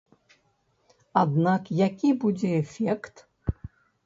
Аднак які будзе эфект?